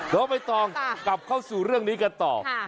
น้องใบตองกลับเข้าสู่เรื่องนี้กันต่อ